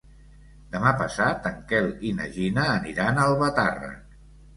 Demà passat en Quel i na Gina aniran a Albatàrrec.